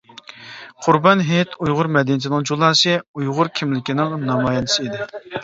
قۇربان ھېيت ئۇيغۇر مەدەنىيىتىنىڭ جۇلاسى، ئۇيغۇر كىملىكىنىڭ نامايەندىسى ئىدى.